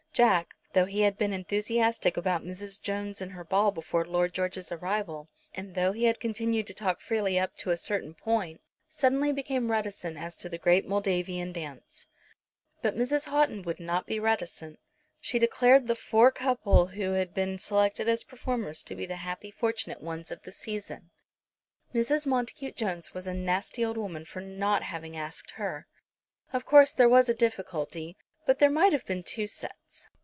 Jack, though he had been enthusiastic about Mrs. Jones and her ball before Lord George's arrival, and though he had continued to talk freely up to a certain point, suddenly became reticent as to the great Moldavian dance. But Mrs. Houghton would not be reticent. She declared the four couple who had been selected as performers to be the happy, fortunate ones of the season. Mrs. Montacute Jones was a nasty old woman for not having asked her. Of course there was a difficulty, but there might have been two sets.